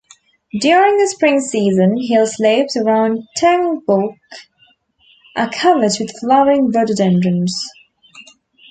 During the spring season, hill slopes around Tengboche are covered with flowering rhododendrons.